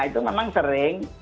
itu memang sering